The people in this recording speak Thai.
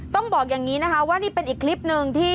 ต้องบอกอย่างงี้นะครับเขาโพสต์อีกคลิปหนึ่ง